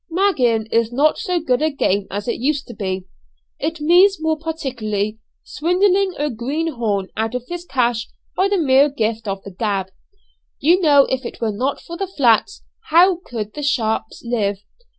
'" "Magging is not so good a game as it used to be. It means more particularly, swindling a greenhorn out of his cash by the mere gift of the gab. You know if it were not for the flats, how could the sharps live?